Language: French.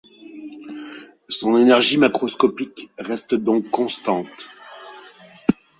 Son énergie macroscopique reste donc constante.